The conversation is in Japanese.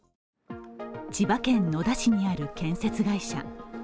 千葉県野田市にある建設会社。